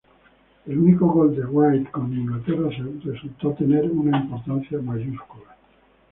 El único gol de Wright con Inglaterra resultó tener una importancia mayúscula.